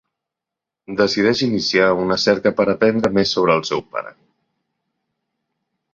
Decideix iniciar una cerca per aprendre més sobre el seu pare.